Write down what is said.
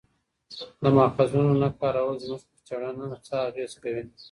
د ماخذونو نه کارول زموږ پر څېړنه څه اغېز کوي؟